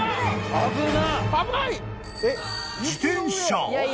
危ない！